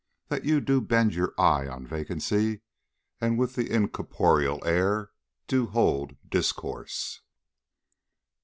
That you do bend your eye on vacancy, And with the incorporeal air do hold discourse?